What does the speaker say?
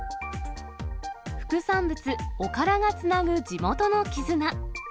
副産物、おからがつなぐ地元の絆。